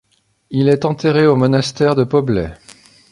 Il est enterré au monastère de Poblet.